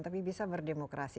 tapi bisa berdemokrasi